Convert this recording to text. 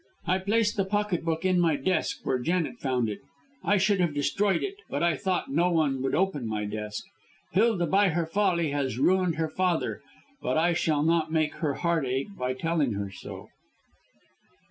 I placed the pocket book in my desk, where Janet found it. I should have destroyed it, but I thought no one would open my desk. Hilda, by her folly, has ruined her father, but I shall not make her heart ache by telling her so."